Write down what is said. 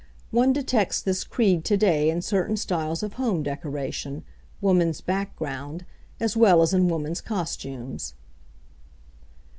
One detects this creed to day in certain styles of home decoration (woman's background), as well as in woman's costumes.